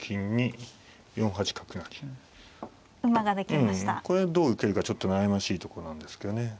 うんこれどう受けるかちょっと悩ましいとこなんですけどね。